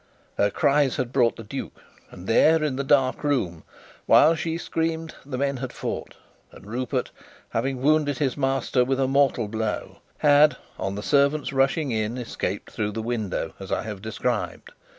Her cries had brought the duke, and there in the dark room, while she screamed, the men had fought; and Rupert, having wounded his master with a mortal blow, had, on the servants rushing in, escaped through the window as I have described.